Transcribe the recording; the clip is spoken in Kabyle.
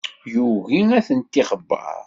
Yugi ad tent-ixebber.